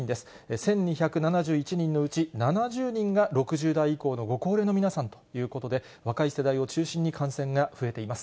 １２７１人のうち７０人が６０代以降のご高齢の皆さんということで、若い世代を中心に感染が増えています。